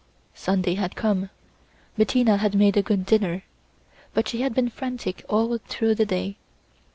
Sunday had come; Bettina had made a good dinner, but she had been frantic all through the day.